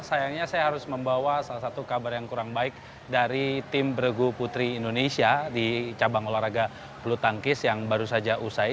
sayangnya saya harus membawa salah satu kabar yang kurang baik dari tim bergu putri indonesia di cabang olahraga bulu tangkis yang baru saja usai